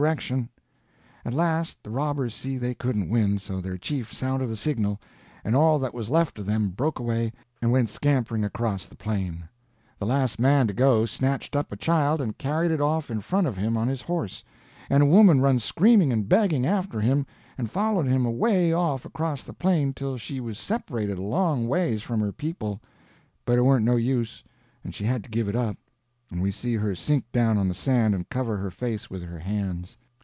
[Illustration: "The last man to go snatched up a child, and carried it off in front of him on his horse"] At last the robbers see they couldn't win, so their chief sounded a signal, and all that was left of them broke away and went scampering across the plain. The last man to go snatched up a child and carried it off in front of him on his horse, and a woman run screaming and begging after him, and followed him away off across the plain till she was separated a long ways from her people; but it warn't no use, and she had to give it up, and we see her sink down on the sand and cover her face with her hands.